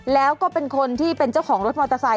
แล้วก็เป็นคนที่เป็นเจ้าของรถมอเตอร์ไซค